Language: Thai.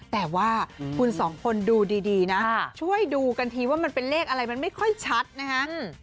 แต่ว่าคุณสองคนดูดีนะช่วยดูกันทีว่ามันเป็นเลขอะไรมันไม่ค่อยชัดนะคะ